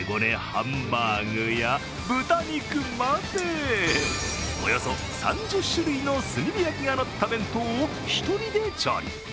ハンバーグや豚肉までおよそ３０種類の炭火焼きがのった弁当を１人で調理。